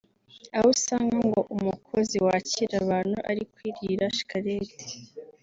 aho usanga ngo umukozi wakira abantu ari kwirira shikarete